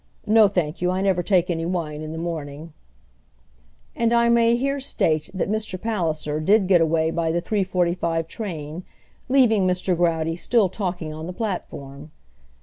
No, thank you, I never take any wine in the morning." And I may here state that Mr. Palliser did get away by the 3.45 train, leaving Mr. Growdy still talking on the platform.